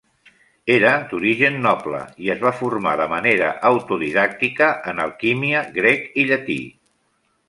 Era d'origen noble i es va formar de manera autodidàctica en alquímia, grec i llatí.